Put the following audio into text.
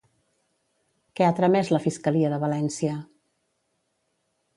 Què ha tramès la Fiscalia de València?